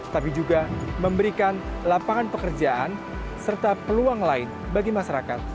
tapi juga memberikan lapangan pekerjaan serta peluang lain bagi masyarakat